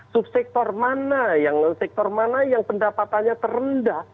subsektor mana yang pendapatannya terendah